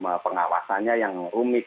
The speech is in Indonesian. tentu pengawasannya yang rumit